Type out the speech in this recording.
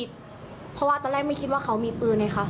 เพราะว่าตอนแรกไม่คิดว่าเขามีปืนไงคะ